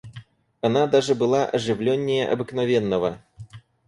Она даже была оживленнее обыкновенного.